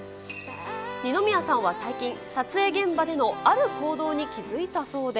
二宮さんは最近、撮影現場でのある行動に気付いたそうで。